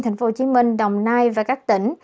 tp hcm đồng nai và các tỉnh